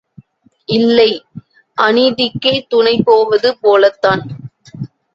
இல்லை, அநீதிக்கே துணை போவது போலத்தான்!